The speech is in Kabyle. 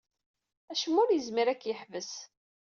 Acemma ur yezmir ad k-yeḥbes.